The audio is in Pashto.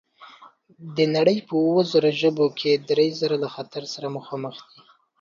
د نړۍ په اووه زره ژبو کې درې زره له خطر سره مخامخ دي.